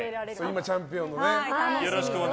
今チャンピオンのね。